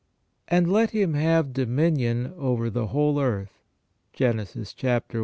"And let him have dominion over .... the whole earth." — Genesis i. 26.